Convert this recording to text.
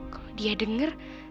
kalo dia denger